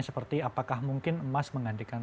seperti apakah mungkin emas menggantikan